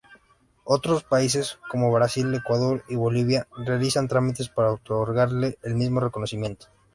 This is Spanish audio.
Otros países, como Brasil, Ecuador y Bolivia, realizan trámites para otorgarle el mismo reconocimiento.